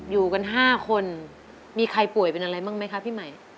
อยู่กัน๕คนมีใครป่วยเป็นอะไรบ้างไหมคะพี่ใหม่